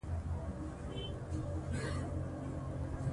زه د سړو اوبو او سونا ګټې سره پرتله کوم.